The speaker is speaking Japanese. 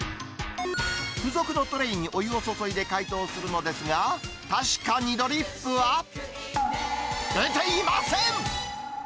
付属のトレイにお湯を注いで解凍するのですが、確かにドリップは出ていません！